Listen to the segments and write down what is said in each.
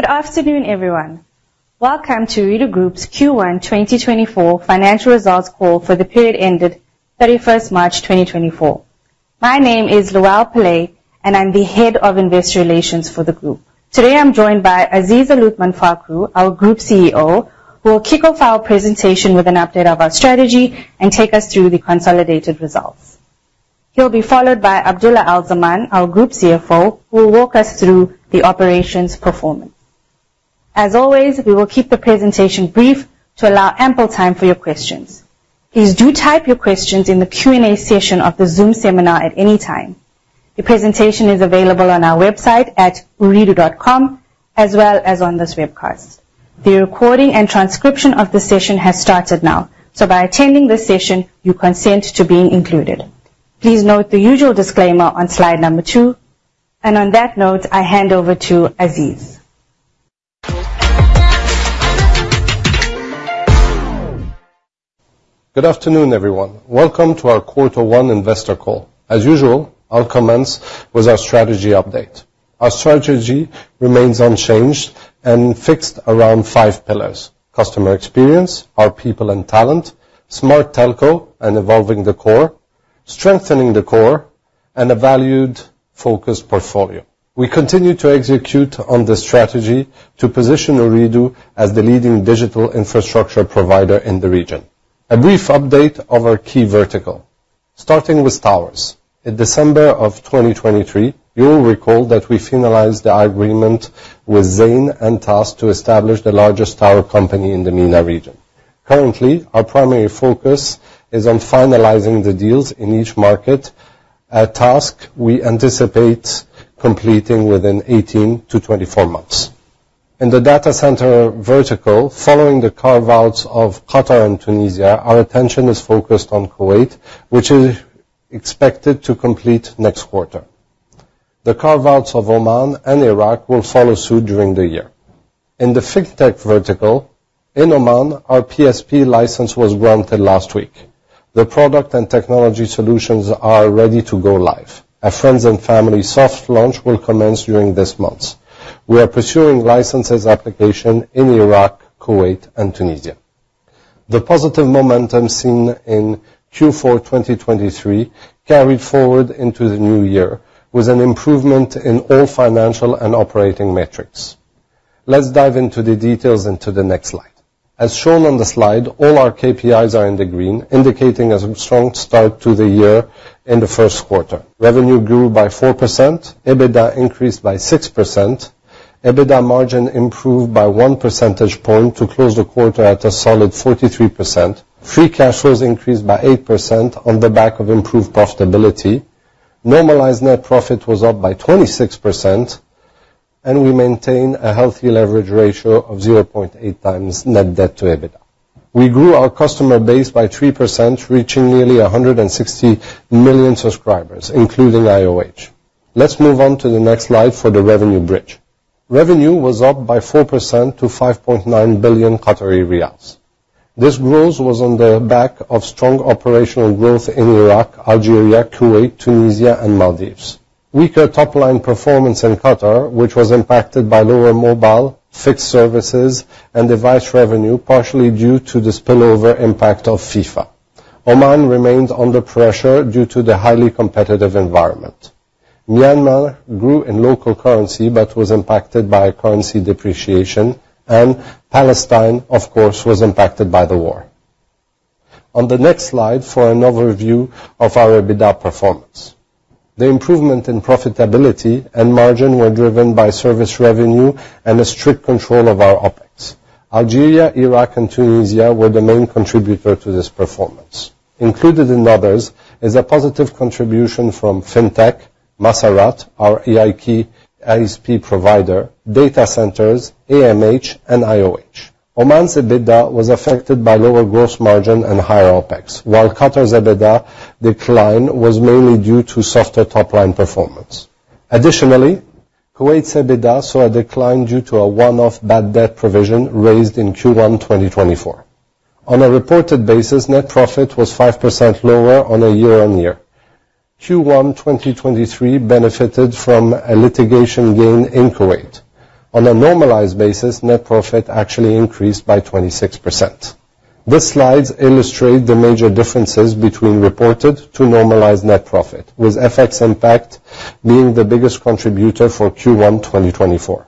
Good afternoon, everyone. Welcome to Ooredoo Group's Q1 2024 financial results call for the period ended 31st March 2024. My name is Luelle Pillay, and I'm the head of investor relations for the group. Today I'm joined by Aziz Aluthman Fakhroo, our group CEO, who will kick off our presentation with an update of our strategy and take us through the consolidated results. He'll be followed by Abdulla Al Zaman, our group CFO, who will walk us through the operations performance. As always, we will keep the presentation brief to allow ample time for your questions. Please do type your questions in the Q&A session of the Zoom seminar at any time. The presentation is available on our website at ooredoo.com as well as on this webcast. The recording and transcription of the session has started now, so by attending this session you consent to being included. Please note the usual disclaimer on slide number two, and on that note I hand over to Aziz. Good afternoon, everyone. Welcome to our Quarter One investor call. As usual, I'll commence with our strategy update. Our strategy remains unchanged and fixed around five pillars: customer experience, our people and talent; smart telco and evolving the core; strengthening the core; and a valued focused portfolio. We continue to execute on this strategy to position Ooredoo as the leading digital infrastructure provider in the region. A brief update of our key vertical. Starting with towers. In December of 2023, you will recall that we finalized the agreement with Zain and TASC to establish the largest tower company in the MENA region. Currently, our primary focus is on finalizing the deals in each market, a task we anticipate completing within 18-24 months. In the data center vertical, following the carve-outs of Qatar and Tunisia, our attention is focused on Kuwait, which is expected to complete next quarter. The carve-outs of Oman and Iraq will follow suit during the year. In the fintech vertical, in Oman, our PSP license was granted last week. The product and technology solutions are ready to go live. A friends-and-family soft launch will commence during this month. We are pursuing licenses application in Iraq, Kuwait, and Tunisia. The positive momentum seen in Q4 2023 carried forward into the new year with an improvement in all financial and operating metrics. Let's dive into the details into the next slide. As shown on the slide, all our KPIs are in the green, indicating a strong start to the year in the first quarter. Revenue grew by 4%, EBITDA increased by 6%, EBITDA margin improved by 1 percentage point to close the quarter at a solid 43%, free cash flows increased by 8% on the back of improved profitability, normalized net profit was up by 26%, and we maintain a healthy leverage ratio of 0.8 times net debt to EBITDA. We grew our customer base by 3%, reaching nearly 160 million subscribers, including IOH. Let's move on to the next slide for the revenue bridge. Revenue was up by 4% to 5.9 billion Qatari riyals. This growth was on the back of strong operational growth in Iraq, Algeria, Kuwait, Tunisia, and Maldives. Weaker top-line performance in Qatar, which was impacted by lower mobile, fixed services, and device revenue, partially due to the spillover impact of FIFA. Oman remained under pressure due to the highly competitive environment. Myanmar grew in local currency but was impacted by currency depreciation, and Palestine, of course, was impacted by the war. On the next slide for an overview of our EBITDA performance. The improvement in profitability and margin were driven by service revenue and a strict control of our OPEX. Algeria, Iraq, and Tunisia were the main contributor to this performance. Included in others is a positive contribution from fintech, Masarat, our EIK ASP provider, data centers, AMH, and IOH. Oman's EBITDA was affected by lower gross margin and higher OPEX, while Qatar's EBITDA decline was mainly due to softer top-line performance. Additionally, Kuwait's EBITDA saw a decline due to a one-off bad debt provision raised in Q1 2024. On a reported basis, net profit was 5% lower on a year-on-year. Q1 2023 benefited from a litigation gain in Kuwait. On a normalized basis, net profit actually increased by 26%. These slides illustrate the major differences between reported to normalized net profit, with FX impact being the biggest contributor for Q1 2024.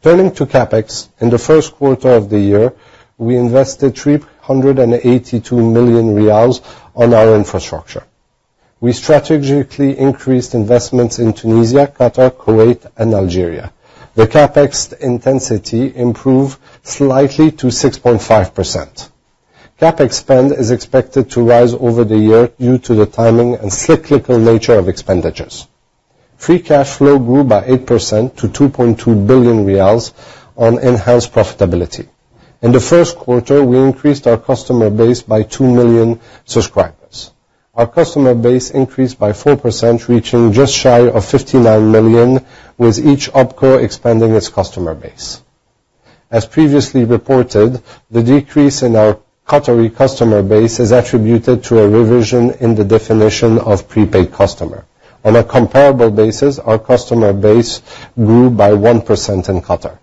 Turning to CAPEX, in the first quarter of the year, we invested 382 million riyals on our infrastructure. We strategically increased investments in Tunisia, Qatar, Kuwait, and Algeria. The CAPEX intensity improved slightly to 6.5%. CAPEX spend is expected to rise over the year due to the timing and cyclical nature of expenditures. Free cash flow grew by 8% to 2.2 billion riyals on enhanced profitability. In the first quarter, we increased our customer base by 2 million subscribers. Our customer base increased by 4%, reaching just shy of 59 million, with each OPCO expanding its customer base. As previously reported, the decrease in our Qatari customer base is attributed to a revision in the definition of prepaid customer. On a comparable basis, our customer base grew by 1% in Qatar.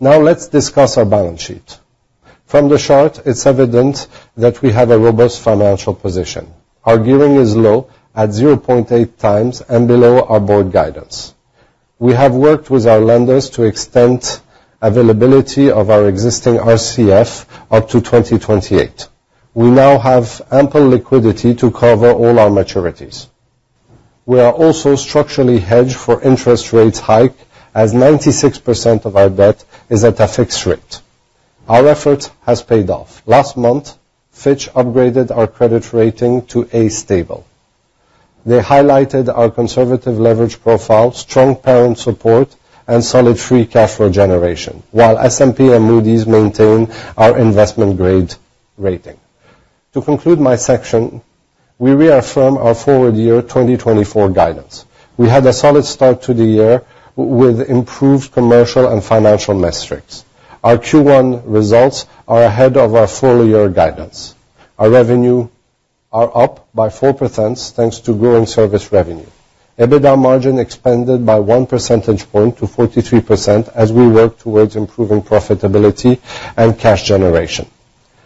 Now let's discuss our balance sheet. From the chart, it's evident that we have a robust financial position. Our gearing is low at 0.8x and below our board guidance. We have worked with our lenders to extend availability of our existing RCF up to 2028. We now have ample liquidity to cover all our maturities. We are also structurally hedged for interest rate hike, as 96% of our debt is at a fixed rate. Our effort has paid off. Last month, Fitch upgraded our credit rating to A-stable. They highlighted our conservative leverage profile, strong parent support, and solid free cash flow generation, while S&P and Moody's maintain our investment-grade rating. To conclude my section, we reaffirm our forward year 2024 guidance. We had a solid start to the year with improved commercial and financial metrics. Our Q1 results are ahead of our full-year guidance. Our revenues are up by 4% thanks to growing service revenue. EBITDA margin expanded by 1 percentage point to 43% as we work towards improving profitability and cash generation.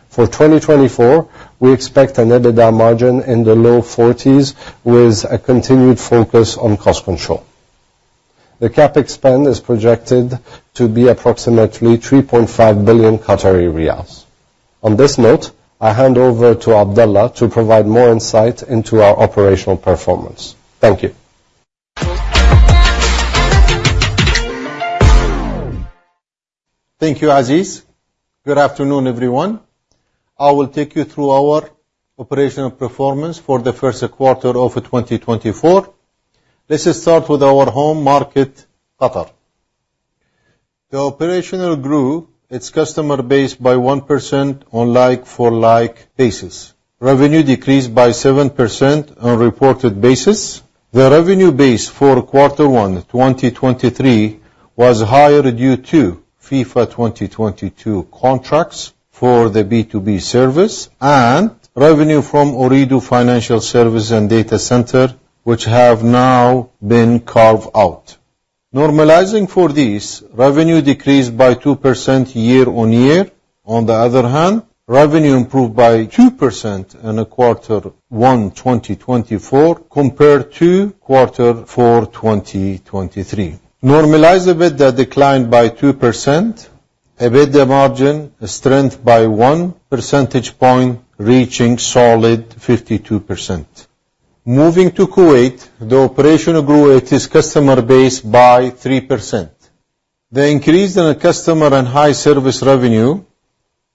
For 2024, we expect an EBITDA margin in the low 40s with a continued focus on cost control. The CAPEX spend is projected to be approximately 3.5 billion Qatari riyals. On this note, I hand over to Abdulla to provide more insight into our operational performance. Thank you. Thank you, Aziz. Good afternoon, everyone. I will take you through our operational performance for the first quarter of 2024. Let's start with our home market, Qatar. The operation grew its customer base by 1% on like-for-like basis. Revenue decreased by 7% on reported basis. The revenue base for Quarter One 2023 was higher due to FIFA 2022 contracts for the B2B service and revenue from Ooredoo Financial Services and Data Center, which have now been carved out. Normalizing for these, revenue decreased by 2% year-on-year. On the other hand, revenue improved by 2% in Quarter One 2024 compared to Quarter Four 2023. Normalized EBITDA declined by 2%, EBITDA margin strengthened by one percentage point, reaching solid 52%. Moving to Kuwait, the operation grew its customer base by 3%. The increase in customer and high service revenue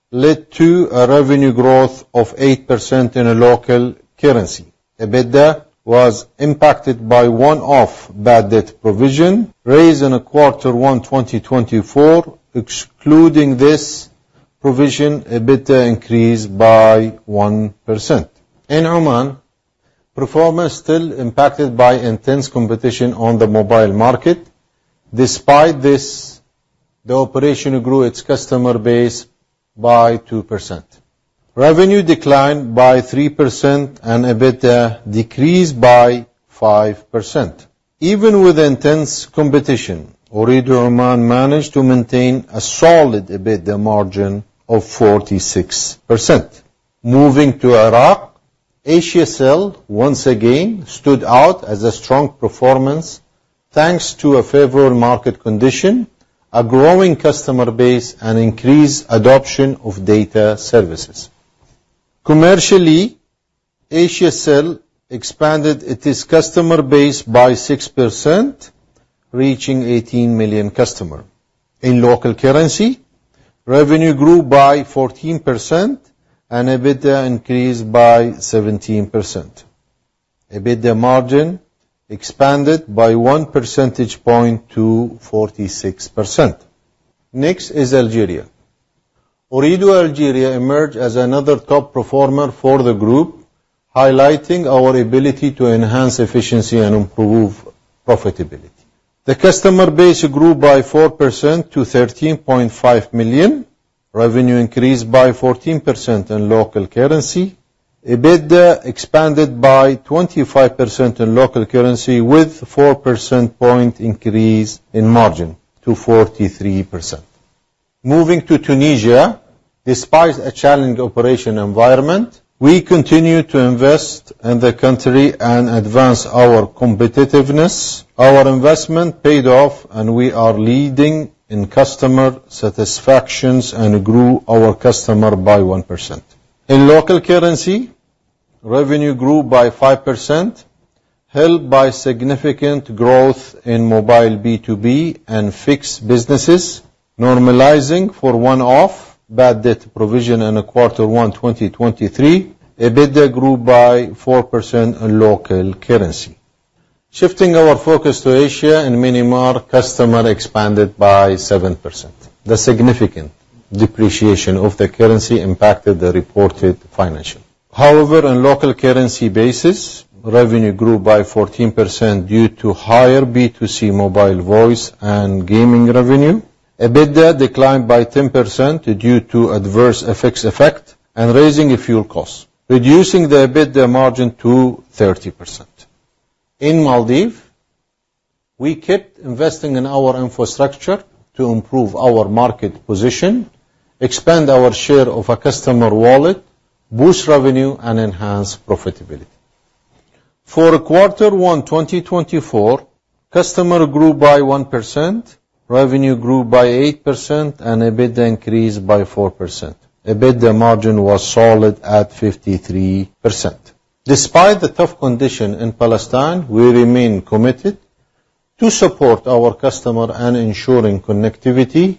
led to a revenue growth of 8% in a local currency. EBITDA was impacted by one-off bad debt provision raised in Quarter One 2024. Excluding this provision, EBITDA increased by 1%. In Oman, performance still impacted by intense competition on the mobile market. Despite this, the operation grew its customer base by 2%. Revenue declined by 3% and EBITDA decreased by 5%. Even with intense competition, Ooredoo Oman managed to maintain a solid EBITDA margin of 46%. Moving to Iraq, HSL once again stood out as a strong performance thanks to a favorable market condition, a growing customer base, and increased adoption of data services. Commercially, HSL expanded its customer base by 6%, reaching 18 million customers. In local currency, revenue grew by 14% and EBITDA increased by 17%. EBITDA margin expanded by one percentage point to 46%. Next is Algeria. Ooredoo Algeria emerged as another top performer for the group, highlighting our ability to enhance efficiency and improve profitability. The customer base grew by 4% to 13.5 million. Revenue increased by 14% in local currency. EBITDA expanded by 25% in local currency with a 4% point increase in margin to 43%. Moving to Tunisia, despite a challenging operational environment, we continue to invest in the country and advance our competitiveness. Our investment paid off, and we are leading in customer satisfaction and grew our customer base by 1%. In local currency, revenue grew by 5%, helped by significant growth in mobile B2B and fixed businesses. Normalizing for one-off bad debt provision in Quarter One 2023, EBITDA grew by 4% in local currency. Shifting our focus to Asia and Myanmar, customer base expanded by 7%. The significant depreciation of the currency impacted the reported financials. However, on a local currency basis, revenue grew by 14% due to higher B2C mobile voice and gaming revenue. EBITDA declined by 10% due to adverse FX effects and rising fuel costs, reducing the EBITDA margin to 30%. In Maldives, we kept investing in our infrastructure to improve our market position, expand our share of a customer wallet, boost revenue, and enhance profitability. For Quarter One 2024, customer base grew by 1%, revenue grew by 8%, and EBITDA increased by 4%. EBITDA margin was solid at 53%. Despite the tough conditions in Palestine, we remain committed to support our customers and ensure connectivity,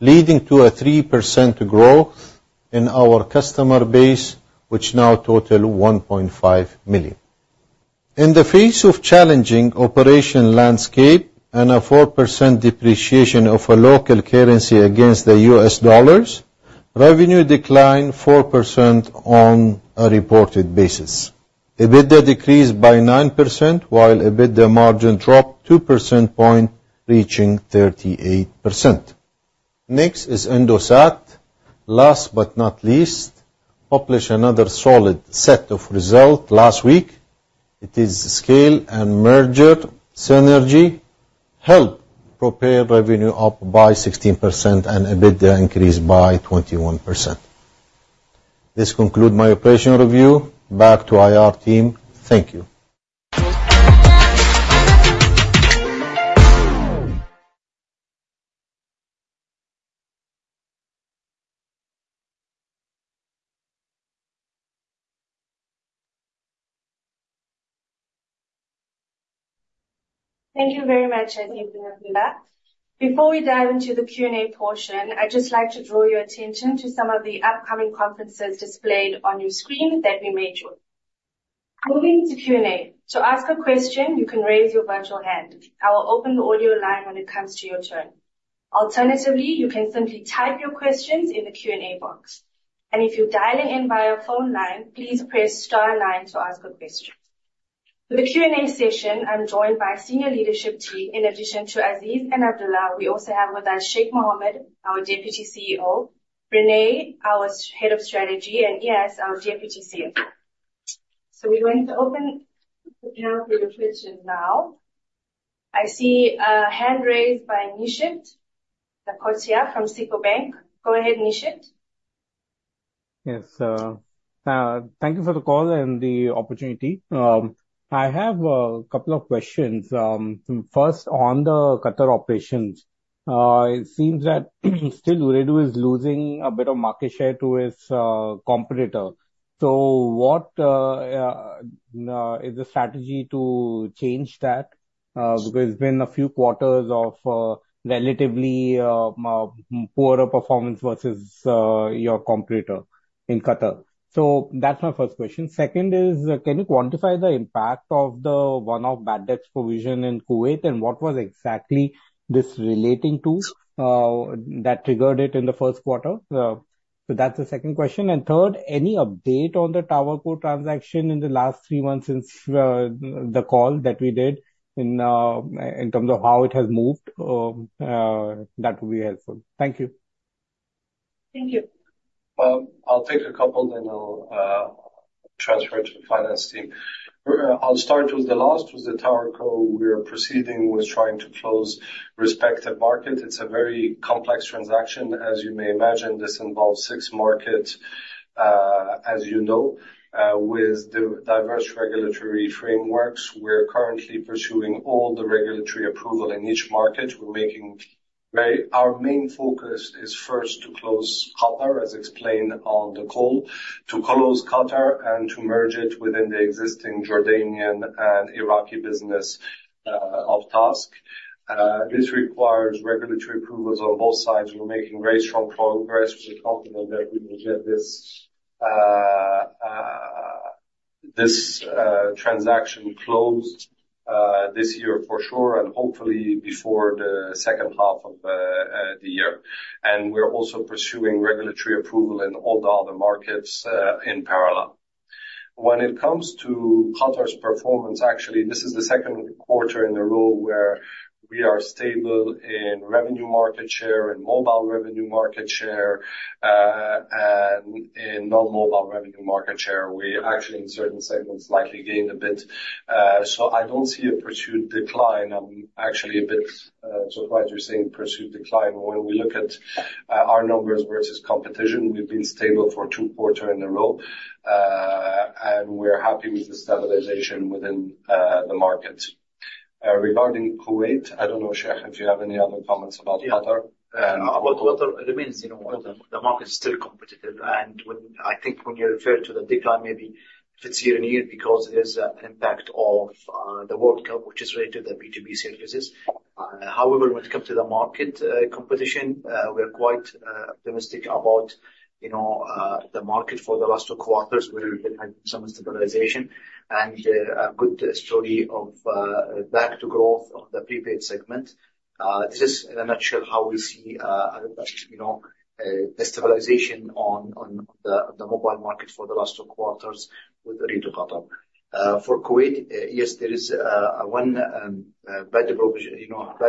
leading to a 3% growth in our customer base, which now totals 1.5 million. In the face of a challenging operational landscape and a 4% depreciation of our local currency against the US dollar, revenue declined 4% on a reported basis. EBITDA decreased by 9%, while EBITDA margin dropped 2 percentage points, reaching 38%. Next is Indosat. Last but not least, we published another solid set of results last week. It is scale and merger synergy. Helped propel revenue up by 16% and EBITDA increased by 21%. This concludes my operational review. Back to our team. Thank you. Thank you very much, Nicky Lee. Before we dive into the Q&A portion, I'd just like to draw your attention to some of the upcoming conferences displayed on your screen that we made yours. Moving to Q&A. To ask a question, you can raise your virtual hand. I will open the audio line when it comes to your turn. Alternatively, you can simply type your questions in the Q&A box. If you're dialing in via phone line, please press star nine to ask a question. For the Q&A session, I'm joined by a senior leadership team. In addition to Aziz and Abdulla, we also have with us Sheikh Mohammed, our Deputy CEO, René, our head of strategy, and Iyas, our Deputy CFO. We're going to open the panel for your questions now. I see a hand raised by Nishit Dokotia from SICO Bank. Go ahead, Nishit. Yes. Thank you for the call and the opportunity. I have a couple of questions. First, on the Qatar operations, it seems that still Ooredoo is losing a bit of market share to its competitor. So what is the strategy to change that? Because there have been a few quarters of relatively poorer performance versus your competitor in Qatar. So that's my first question. Second is, can you quantify the impact of the one-off bad debt provision in Kuwait? And what was exactly this relating to that triggered it in the first quarter? So that's the second question. And third, any update on the TowerCo transaction in the last three months since the call that we did in terms of how it has moved? That would be helpful. Thank you. Thank you. I'll take a couple, then I'll transfer it to the finance team. I'll start with the last, with the TowerCo. We are proceeding with trying to close respective markets. It's a very complex transaction. As you may imagine, this involves six markets, as you know, with diverse regulatory frameworks. We're currently pursuing all the regulatory approval in each market. Our main focus is first to close Qatar, as explained on the call, to close Qatar and to merge it within the existing Jordanian and Iraqi business of TASC. This requires regulatory approvals on both sides. We're making very strong progress. We're confident that we will get this transaction closed this year for sure and hopefully before the second half of the year. And we're also pursuing regulatory approval in all the other markets in parallel. When it comes to Qatar's performance, actually, this is the second quarter in a row where we are stable in revenue market share, in mobile revenue market share, and in non-mobile revenue market share. We actually, in certain segments, likely gained a bit. So I don't see a pursued decline. I'm actually a bit surprised you're saying pursued decline. When we look at our numbers versus competition, we've been stable for two quarters in a row. We're happy with the stabilization within the markets. Regarding Kuwait, I don't know, Sheikh, if you have any other comments about Qatar. Yeah. Qatar remains, you know, the market is still competitive. And I think when you refer to the decline, maybe if it's year-on-year because there's an impact of the World Cup, which is related to the B2B services. However, when it comes to the market competition, we are quite optimistic about, you know, the market for the last two quarters. We've been having some stabilization and a good story of back-to-growth on the prepaid segment. This is, in a nutshell, how we see a stabilization on the mobile market for the last two quarters with Ooredoo Qatar. For Kuwait, yes, there is one bad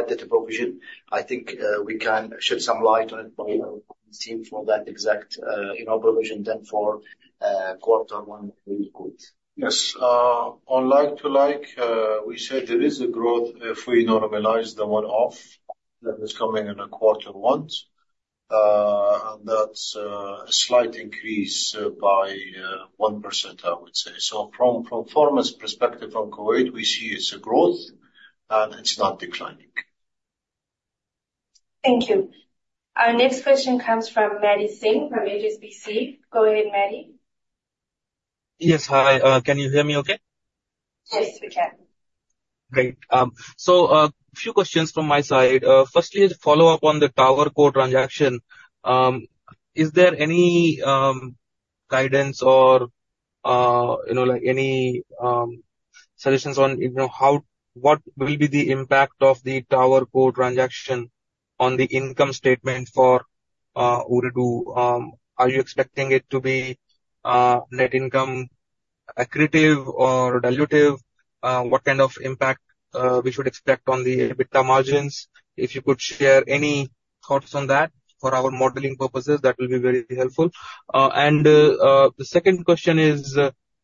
debt provision. I think we can shed some light on it by our team for that exact provision than for Quarter One Ooredoo Kuwait. Yes. On like-for-like, we said there is a growth if we normalize the one-off that is coming in Quarter One. And that's a slight increase by 1%, I would say. So from a performance perspective on Kuwait, we see it's a growth, and it's not declining. Thank you. Our next question comes from Maddy Singh from HSBC. Go ahead, Maddy. Yes. Hi. Can you hear me okay? Yes, we can. Great. So a few questions from my side. Firstly, to follow up on the TowerCo transaction, is there any guidance or any suggestions on what will be the impact of the TowerCo transaction on the income statement for Ooredoo? Are you expecting it to be net income accretive or dilutive? What kind of impact should we expect on the EBITDA margins? If you could share any thoughts on that for our modeling purposes, that will be very helpful. And the second question is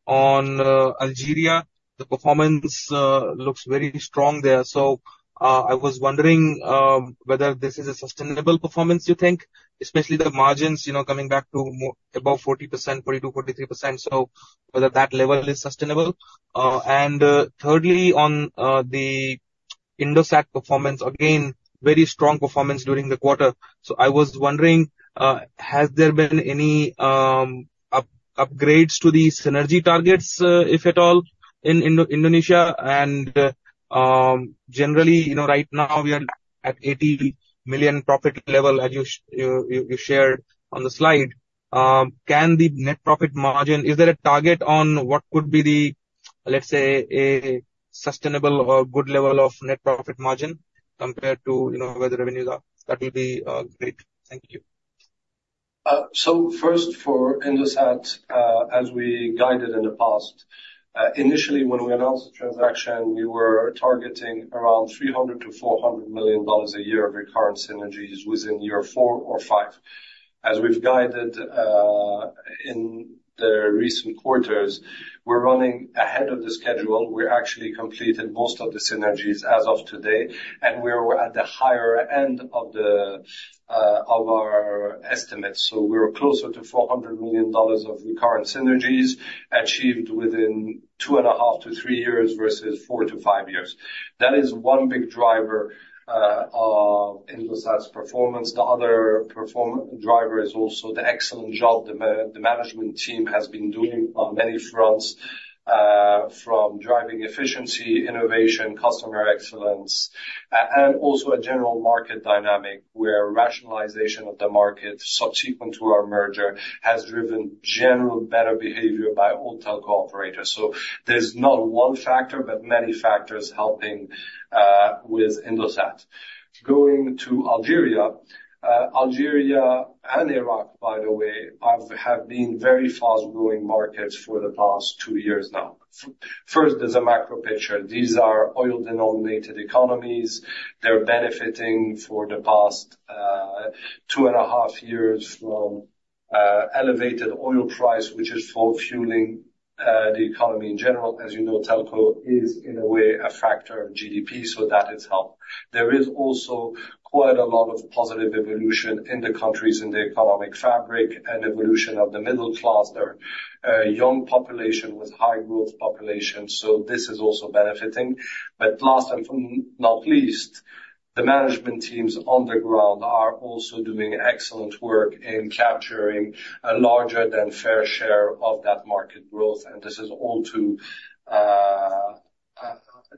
on Algeria. The performance looks very strong there. So I was wondering whether this is a sustainable performance, you think, especially the margins coming back to above 40%, 42%, 43%, so whether that level is sustainable. And thirdly, on the Indosat performance, again, very strong performance during the quarter. So I was wondering, has there been any upgrades to the synergy targets, if at all, in Indonesia? Generally, right now, we are at 80 million profit level, as you shared on the slide. Can the net profit margin? Is there a target on what could be the, let's say, a sustainable or good level of net profit margin compared to where the revenues are? That will be great. Thank you. So first, for Indosat, as we guided in the past, initially, when we announced the transaction, we were targeting around $300 million-$400 million a year of recurrent synergies within year 4 or 5. As we've guided in the recent quarters, we're running ahead of the schedule. We actually completed most of the synergies as of today. And we were at the higher end of our estimates. So we were closer to $400 million of recurrent synergies achieved within 2.5-3 years versus 4-5 years. That is one big driver of Indosat's performance. The other driver is also the excellent job the management team has been doing on many fronts, from driving efficiency, innovation, customer excellence, and also a general market dynamic where rationalization of the market subsequent to our merger has driven general better behavior by all telco operators. So there's not one factor, but many factors helping with Indosat. Going to Algeria, Algeria and Iraq, by the way, have been very fast-growing markets for the past two years now. First, there's a macro picture. These are oil-denominated economies. They're benefiting for the past 2.5 years from elevated oil price, which is fueling the economy in general. As you know, telco is, in a way, a factor of GDP. So that has helped. There is also quite a lot of positive evolution in the countries in the economic fabric and evolution of the middle class. They're a young population with high-growth populations. So this is also benefiting. But last and not least, the management teams on the ground are also doing excellent work in capturing a larger than fair share of that market growth. And this is all to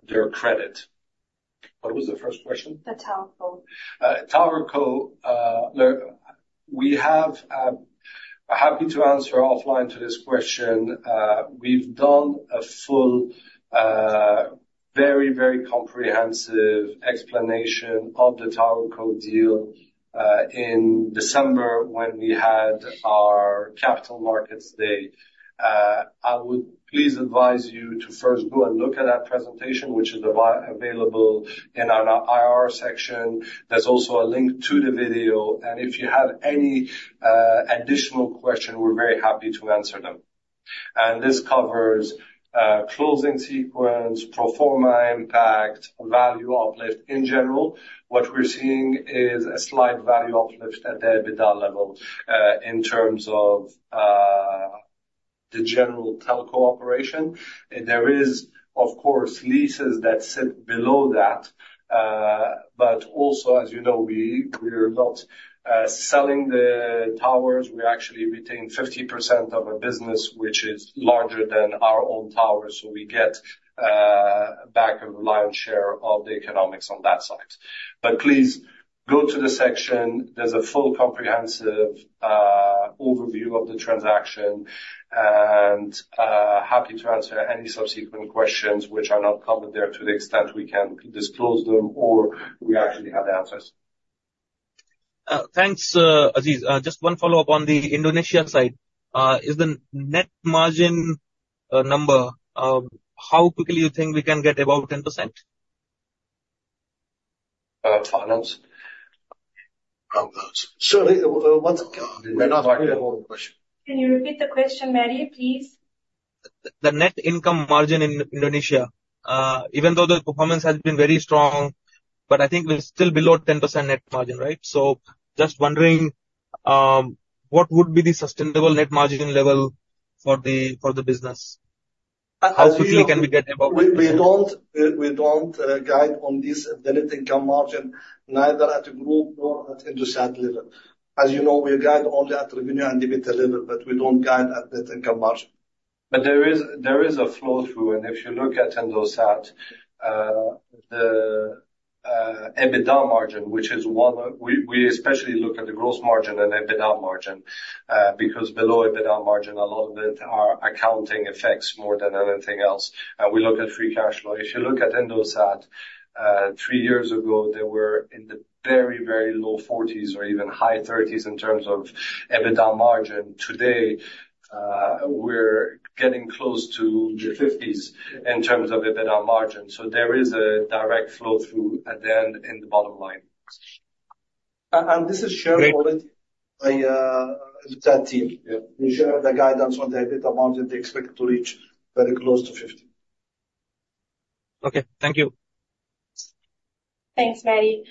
their credit. What was the first question? The telco. TowerCo, we have. I'm happy to answer offline to this question. We've done a full, very, very comprehensive explanation of the TowerCo deal in December when we had our Capital Markets Day. I would please advise you to first go and look at that presentation, which is available in our IR section. There's also a link to the video. If you have any additional questions, we're very happy to answer them. This covers closing sequence, pro forma impact, value uplift in general. What we're seeing is a slight value uplift at the EBITDA level in terms of the general telco operation. There is, of course, leases that sit below that. But also, as you know, we're not selling the towers. We actually retain 50% of a business, which is larger than our own towers. So we get back a lion's share of the economics on that side. Please go to the section. There's a full, comprehensive overview of the transaction. Happy to answer any subsequent questions, which are not covered there to the extent we can disclose them or we actually have the answers. Thanks, Aziz. Just one follow-up on the Indonesia side. Is the net margin number how quickly do you think we can get above 10%? Finance? Certainly. Can you repeat the question, Maddy, please? The net income margin in Indonesia, even though the performance has been very strong, but I think we're still below 10% net margin, right? So just wondering, what would be the sustainable net margin level for the business? How quickly can we get above it? We don't guide on this net income margin, neither at the group nor at Indosat level. As you know, we guide only at revenue and EBITDA level, but we don't guide at net income margin. But there is a flow-through. And if you look at Indosat, the EBITDA margin, which is one we especially look at the gross margin and EBITDA margin because below EBITDA margin, a lot of it are accounting effects more than anything else. And we look at free cash flow. If you look at Indosat, three years ago, they were in the very, very low 40s or even high 30s in terms of EBITDA margin. Today, we're getting close to the 50s in terms of EBITDA margin. So there is a direct flow-through at the end in the bottom line. This is shared already by the tech team. They share the guidance on the EBITDA margin. They expect to reach very close to 50%. Okay. Thank you. Thanks, Maddy.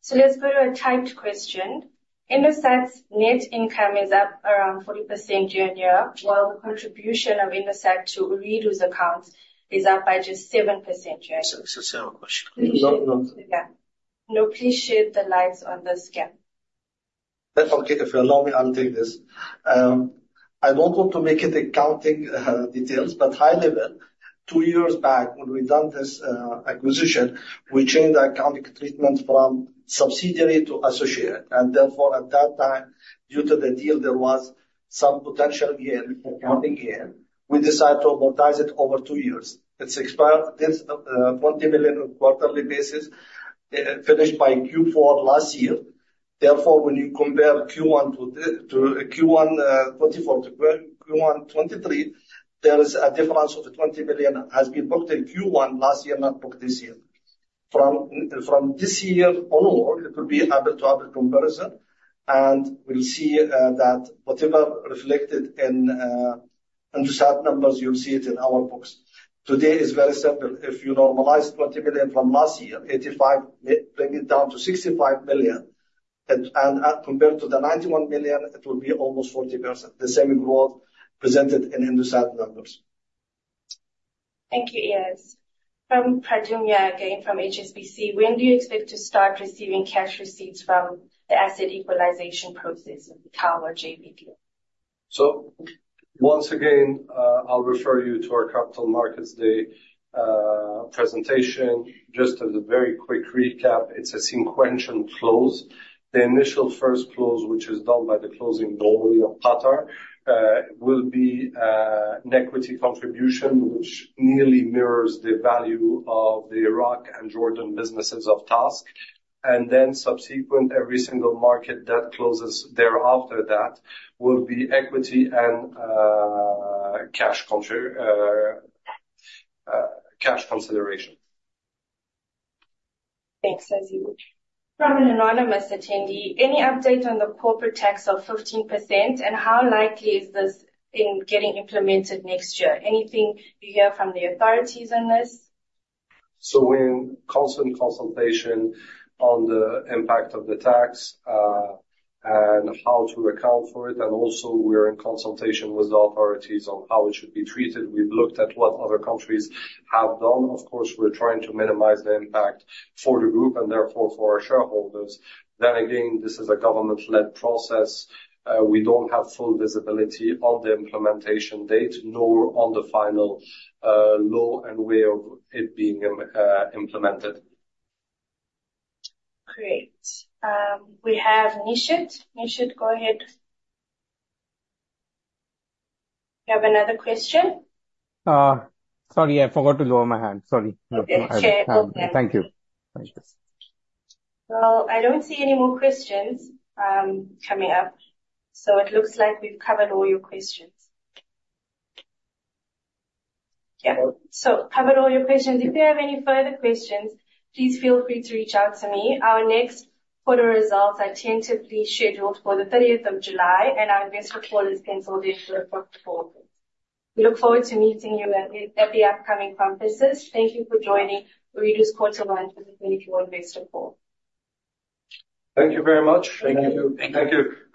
So let's go to a typed question. Indosat's net income is up around 40% year-on-year, while the contribution of Indosat to Ooredoo's accounts is up by just 7% year-on-year. It's a similar question. No, no, no. No, please share the slides on the screen. Okay. If you allow me, I'll take this. I don't want to make it accounting details, but high level, two years back, when we did this acquisition, we changed the accounting treatment from subsidiary to associate. And therefore, at that time, due to the deal, there was some potential gain, accounting gain. We decided to amortize it over two years. It did 20 million on a quarterly basis, finished by Q4 last year. Therefore, when you compare Q1 2024 to Q1 2023, there is a difference of 20 million that has been booked in Q1 last year, not booked this year. From this year onward, it will be able to have a comparison. And we'll see that whatever is reflected in Indosat numbers, you'll see it in our books. Today is very simple. If you normalize 20 million from last year, 85, bring it down to 65 million, and compare to the 91 million, it will be almost 40%, the same growth presented in Indosat numbers. Thank you, Iyas. From Pradyumna again from HSBC, when do you expect to start receiving cash receipts from the asset equalization process of the TowerJP deal? Once again, I'll refer you to our Capital Markets Day presentation. Just as a very quick recap, it's a sequential close. The initial first close, which is done by the closing normally of Qatar, will be an equity contribution, which nearly mirrors the value of the Iraq and Jordan businesses of TASC. Then subsequent, every single market that closes thereafter that will be equity and cash consideration. Thanks, Aziz. From an anonymous attendee, any update on the corporate tax of 15%, and how likely is this in getting implemented next year? Anything you hear from the authorities on this? So we're in constant consultation on the impact of the tax and how to account for it. And also, we're in consultation with the authorities on how it should be treated. We've looked at what other countries have done. Of course, we're trying to minimize the impact for the group and therefore for our shareholders. Then again, this is a government-led process. We don't have full visibility on the implementation date, nor on the final law and way of it being implemented. Great. We have Nishit. Nishit, go ahead. You have another question? Sorry. Yeah, I forgot to lower my hand. Sorry. Okay. Share. Okay. Thank you. Thank you. Well, I don't see any more questions coming up. So it looks like we've covered all your questions. Yeah. So covered all your questions. If you have any further questions, please feel free to reach out to me. Our next quarter results are tentatively scheduled for the 30th of July, and our investor call is canceled in April. We look forward to meeting you at the upcoming conferences. Thank you for joining Ooredoo's quarterly entrepreneurship investor call. Thank you very much. Thank you. Thank you.